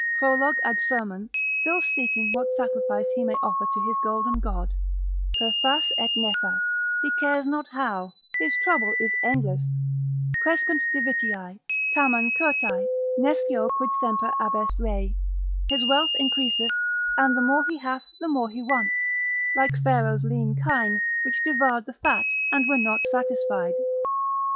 prolog. ad sermon still seeking what sacrifice he may offer to his golden god, per fas et nefas, he cares not how, his trouble is endless, crescunt divitiae, tamen curtae nescio quid semper abest rei: his wealth increaseth, and the more he hath, the more he wants: like Pharaoh's lean kine, which devoured the fat, and were not satisfied.